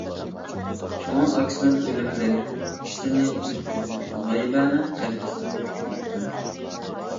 شۇڭا ئاكىسىنىڭ ئۆلۈم مەرىكىسىنى ئۆتكۈزۈپ، غايىبانە قەبرىسىنى تىكلەپتۇ.